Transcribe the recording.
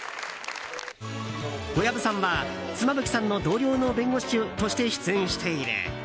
小籔さんは妻夫木さんの同僚の弁護士として出演している。